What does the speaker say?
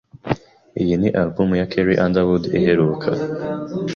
Iyi ni Album ya Carrie Underwood iheruka.